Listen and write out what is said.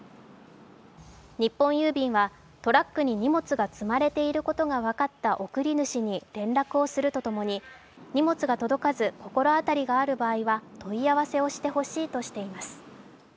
日本郵便はトラックに荷物が積まれていることが分かった送り主に連絡をするとともに、荷物が届かず心当たりがある場合は問い合わせをしてほしいとしています。